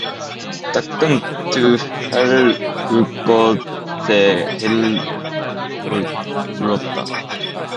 닭은 두 홰를 울고 세 홰를 울었다.